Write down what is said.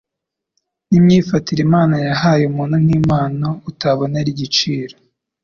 n'imyifatire Imana yahaye umuntu nk'impano utabonera igiciro